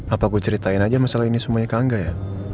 apa aku ceritain aja masalah ini semuanya ke angga ya